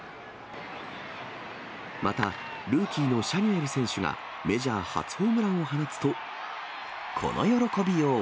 また、ルーキーのシャニュエル選手がメジャー初ホームランを放つと、この喜びよう。